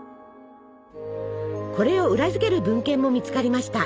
これを裏付ける文献も見つかりました。